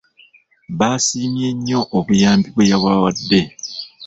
Baasiimye nnyo obuyambi bwe yabawadde.